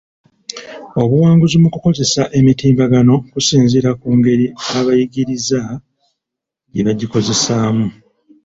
Obuwanguzi mu kukozesa emitimbagano kusinziira ku ngeri abayigiriza gye bagikozesaamu.